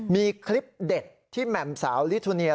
มีคลิปเด็ดที่แหม่มสาวลิทูเนีย